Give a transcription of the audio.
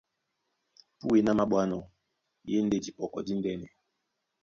Púe ná māɓwánɔ́ í e ndé dipɔkɔ díndɛ́nɛ.